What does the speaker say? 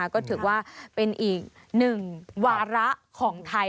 ก็ถือว่าเป็นอีกหนึ่งวาระของไทย